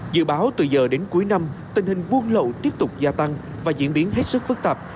dự báo từ giờ đến cuối năm tình hình buôn lậu tiếp tục gia tăng và diễn biến hết sức phức tạp